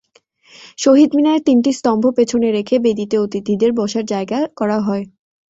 শহীদ মিনারের তিনটি স্তম্ভ পেছনে রেখে বেদিতে অতিথিদের বসার জায়গা করা হয়।